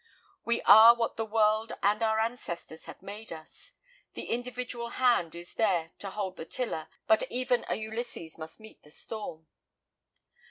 We are what the world and our ancestors have made us. The individual hand is there to hold the tiller, but even a Ulysses must meet the storm.